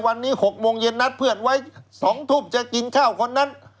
วันนี้๖โมงเย็นนัดเพื่อนไว้๒ทุ่มจะกินข้าวคนนั้น